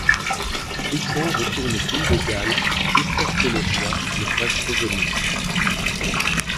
Tristan retourne au pays de Galles jusqu'à ce que le roi le fasse revenir.